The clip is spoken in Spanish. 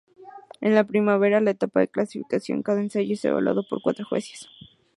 En la primera etapa de la clasificación, cada ensayo es evaluado por cuatro jueces.